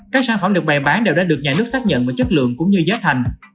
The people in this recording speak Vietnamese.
các sản phẩm được bày bán đều đã được nhà nước xác nhận về chất lượng cũng như giá thành